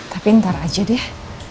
tapi ntar aja deh